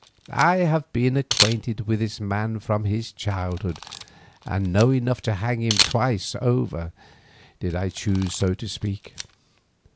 I have been acquainted with the man from his childhood, and know enough to hang him twice over did I choose to speak.